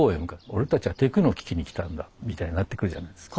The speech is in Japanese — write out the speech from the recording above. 「俺たちはテクノを聴きに来たんだ」みたいになってくるじゃないですか。